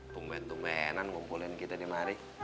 tunggu tungguan ngumpulin kita nih mari